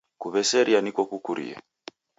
Kuweseria niko kukurie.